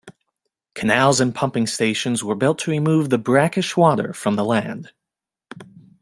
Canals and pumping stations were built to remove the brackish water from the land.